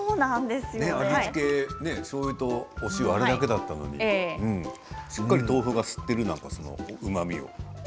味付けは、しょうゆとお塩あれだけだったのにしっかりと豆腐が吸っているそのうまみを。